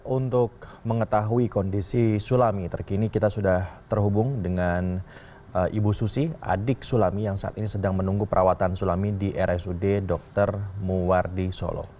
untuk mengetahui kondisi sulami terkini kita sudah terhubung dengan ibu susi adik sulami yang saat ini sedang menunggu perawatan sulami di rsud dr muwardi solo